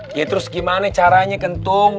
ya terus gimana caranya ke tung